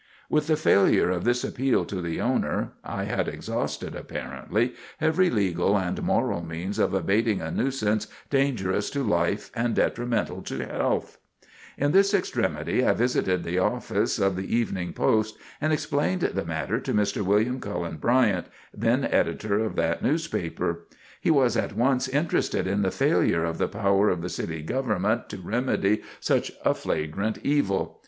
With the failure of this appeal to the owner, I had exhausted, apparently, every legal and moral means of abating a nuisance dangerous to life and detrimental to health. [Sidenote: Fear of Publicity] In this extremity I visited the office of the Evening Post and explained the matter to Mr. William Cullen Bryant, then editor of that newspaper. He was at once interested in the failure of the power of the City Government to remedy such a flagrant evil.